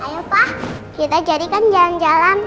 ayo pak kita jadikan jalan jalan